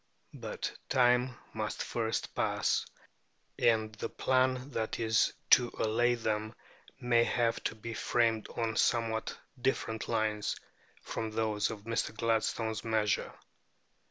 But time must first pass, and the plan that is to allay them may have to be framed on somewhat different lines from those of Mr. Gladstone's measure.